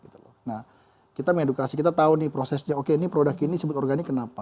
nah kita mengedukasi kita tahu nih prosesnya oke ini produk ini sebut organik kenapa